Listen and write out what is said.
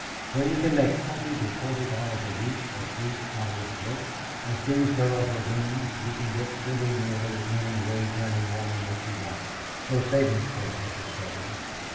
When you can make twenty to forty dollars a week, for eight hours' work, as these girls were doing, you can get pretty nearly any wage earning woman that you want, so Sabinsport had discovered.